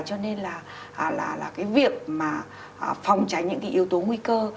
cho nên là cái việc mà phòng tránh những cái yếu tố nguy cơ